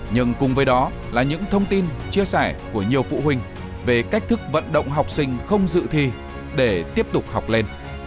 nhưng cùng với đó là những thông tin chia sẻ của nhiều phụ huynh về cách thức vận động học sinh không dự thi để tiếp tục học lên